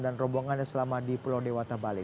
dan rombongannya selama di pulau dewata bali